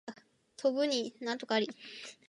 飛ぶに禽あり